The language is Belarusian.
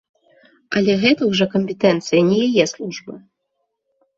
Але гэта ўжо кампетэнцыя не яе службы.